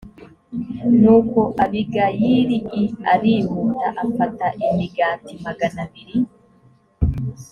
nuko abigayili l arihuta afata imigati magana abiri